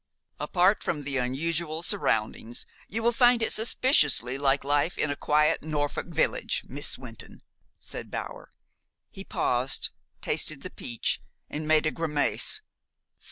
"Apart from the unusual surroundings, you will find it suspiciously like life in a quiet Norfolk village, Miss Wynton," said Bower. He paused, tasted the peach, and made a grimace.